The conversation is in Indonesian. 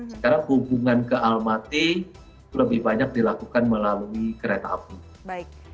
sekarang hubungan ke almaty lebih banyak dilakukan melalui kereta api